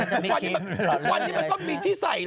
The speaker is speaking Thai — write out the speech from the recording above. ทุกวันนี้มันก็มีที่ใส่